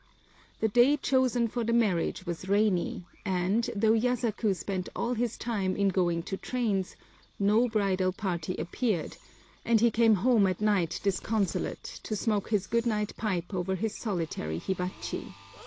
The day chosen for the marriage was rainy, and, though Yasaku spent all his time in going to trains, no bridal party appeared; and he came home at night disconsolate, to smoke his good night pipe over his solitary hibachi.